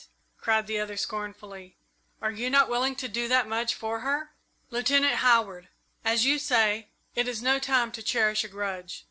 cried the other, scornfully, "are you not willing to do that much for her?" "Lieutenant Howard, as you say, it is no time to cherish a grudge.